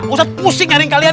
ustadz pusing jaring kalian